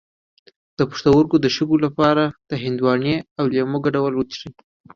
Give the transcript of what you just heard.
د پښتورګو د شګو لپاره د هندواڼې او لیمو ګډول وڅښئ